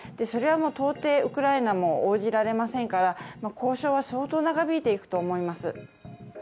それは到底ウクライナも応じられませんから交渉は相当長引いていくと思います。